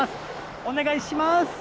お願いします？